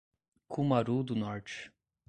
Cumaru do Norte